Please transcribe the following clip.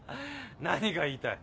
何が言いたい？